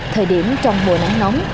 thời điểm trong mùa nắng nóng